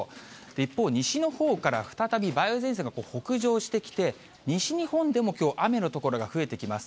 一方、西のほうから再び梅雨前線が北上してきて、西日本でもきょう、雨の所が増えてきます。